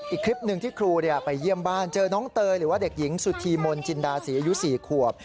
อีกคลิปหนึ่งที่ครูไปเยี่ยมบ้านเจอน้องเตยหรือว่าเด็กหญิงสุธีมนจินดาศรีอายุ๔ขวบ